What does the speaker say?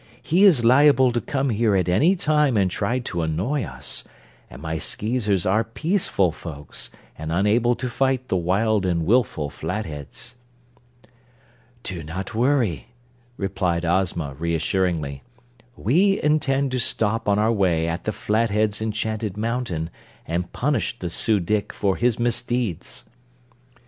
He is liable to come here at any time and try to annoy us, and my Skeezers are peaceful folks and unable to fight the wild and wilful Flatheads." "Do not worry," returned Ozma, reassuringly. "We intend to stop on our way at the Flatheads' Enchanted Mountain and punish the Su dic for his misdeeds."